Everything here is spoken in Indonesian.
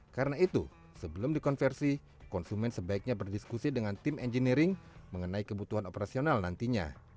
karena itu sebelum dikonversi konsumen sebaiknya berdiskusi dengan tim engineering mengenai kebutuhan operasional nantinya